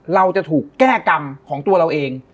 เราจะถูกแก้กรรมของตัวเราเอง